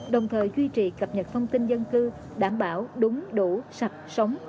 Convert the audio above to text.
đồng thời duy trì cập nhật thông tin dân cư đảm bảo đúng đủ sạch sống